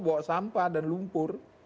bawa sampah dan lumpur